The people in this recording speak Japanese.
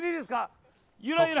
ゆらゆら。